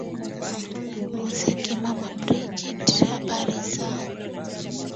muziki mama bridgit habari za